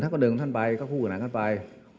ถ้าเขาเดินของท่านไปก็คู่กับหนังท่านไป